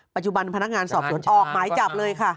ปัจจุบันพนักงานสอบสวนออกหมายจับเลยค่ะ